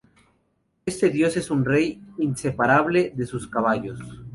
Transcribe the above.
Este dios es un rey inseparable de sus caballos.